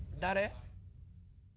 誰？